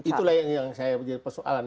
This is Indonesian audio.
itulah yang saya menjadi persoalan